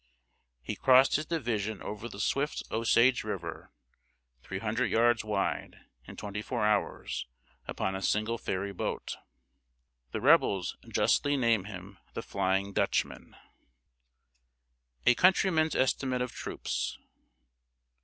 He crossed his division over the swift Osage River three hundred yards wide in twenty four hours, upon a single ferry boat. The Rebels justly name him "The Flying Dutchman." [Sidenote: A COUNTRYMAN'S ESTIMATE OF TROOPS.